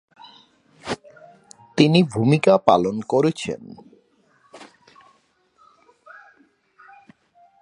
তিনি ভূমিকা পালন করেছেন।